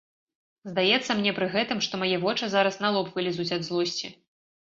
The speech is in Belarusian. Здаецца мне пры гэтым, што мае вочы зараз на лоб вылезуць ад злосці.